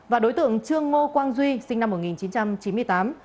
và đối tượng trương ngô quang duy sinh năm một nghìn chín trăm chín mươi tám